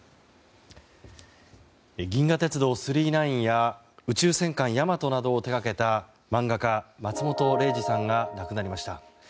「銀河鉄道９９９」や「宇宙戦艦ヤマト」などを手掛けた漫画家・松本零士さんが亡くなりました。